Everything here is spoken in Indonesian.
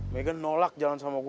meghan nolak jalan sama gue